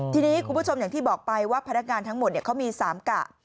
ทีนี้คุณผู้ชมอย่างที่บอกไปว่าพนักงานทั้งหมดเขามี๓กะ